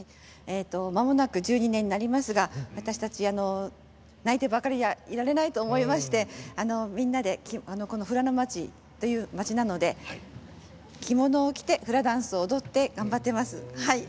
まもなく１２年になりますが私たち泣いてばかりではいられないと思いましてみんなでフラの町という町なので着物を着てフラダンスを踊って頑張っています。